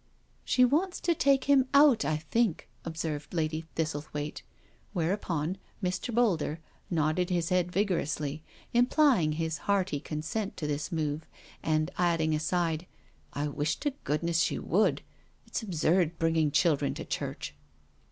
'*" She wants to take him out, I think," observed Lady Thistlethwaite, whereupon Mr. Boulder nodded his head vigorously, implying his hearty consent to this move, and adding aside, " I wish to goodness she would— it's absurd bringing children to church."